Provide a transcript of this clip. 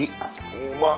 うまっ。